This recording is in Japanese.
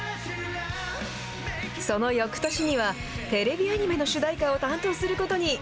そのよくとしには、テレビアニメの主題歌を担当することに。